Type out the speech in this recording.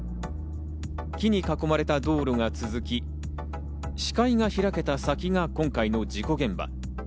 木に囲まれた道路が続き、視界が開けた先が今回の事故現場。